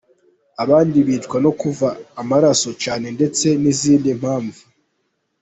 Abandi bicwa no kuva amaraso cyane ndetse n’izindi mpamvu.